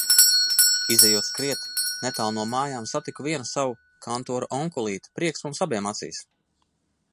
Izejot skriet, netālu no mājām, satiku vienu savu kantora onkulīti. Prieks mums abiem acīs.